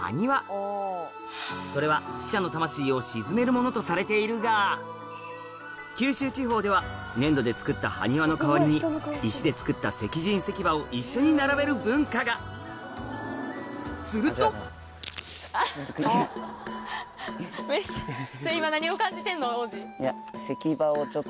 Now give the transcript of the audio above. それはとされているが九州地方では粘土で作った埴輪の代わりに石で作った石人石馬を一緒に並べる文化がするとそれ今。